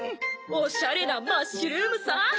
おしゃれなマッシュルームさ。